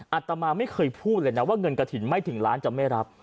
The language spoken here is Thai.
อาตมาไม่เคยพูดเลยนะว่าเงินกระถิ่นไม่ถึงล้านจะไม่รับ